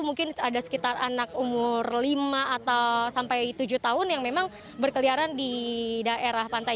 mungkin ada sekitar anak umur lima atau sampai tujuh tahun yang memang berkeliaran di daerah pantai